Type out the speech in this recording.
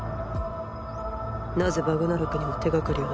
なぜバグナラクにも手掛かりを残した？